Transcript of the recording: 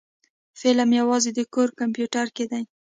فلم يوازې د کور کمپيوټر کې دی.